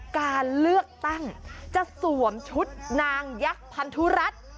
การเลือกตั้งจะสวมชุดนางยักษ์พันธุรัฐ